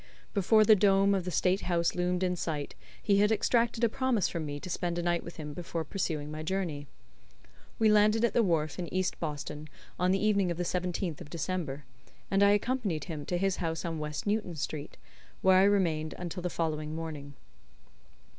Before the dome of the State House loomed in sight he had extracted a promise from me to spend a night with him before pursuing my journey. We landed at the wharf in East Boston on the evening of the 17th of December, and I accompanied him to his house on West Newton Street, where I remained until the following morning.